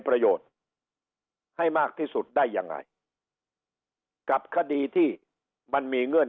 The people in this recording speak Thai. ประโยชน์ให้มากที่สุดได้ยังไงกับคดีที่มันมีเงื่อน